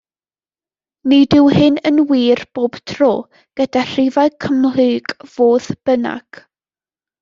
Nid yw hyn yn wir bob tro, gyda rhifau cymhlyg, fodd bynnag.